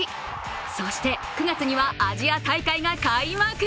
そして９月には、アジア大会が開幕。